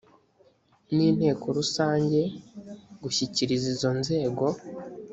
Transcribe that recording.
n inteko rusange gushyikiriza izo nzego